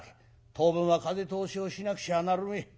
当分は風通しをしなくちゃなるめえ。